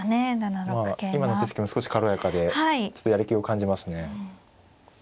今の手つきも少し軽やかでちょっとやる気を感じますね。